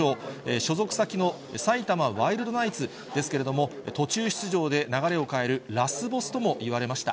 所属先の埼玉ワイルドナイツですけれども、途中出場で流れを変えるラスボスともいわれました。